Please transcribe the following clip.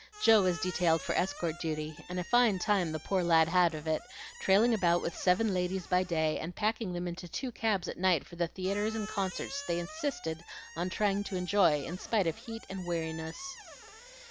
Joe was detailed for escort duty; and a fine time the poor lad had of it, trailing about with seven ladies by day and packing them into two cabs at night for the theatres and concerts they insisted on trying to enjoy in spite of heat and weariness.